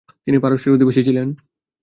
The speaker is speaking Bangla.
তিনি পারস্যের অধিবাসী ছিলেন।